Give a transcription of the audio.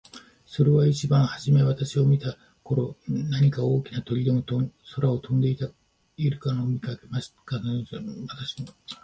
「それでは一番はじめ私を見つけた頃、何か大きな鳥でも空を飛んでいるのを見かけなかったでしょうか。」と私は尋ねてみました。